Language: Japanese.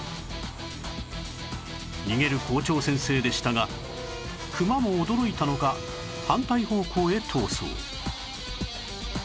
逃げる校長先生でしたがクマも驚いたのか反対方向へ逃走